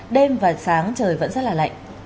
đêm và sáng trời vẫn rất là lạnh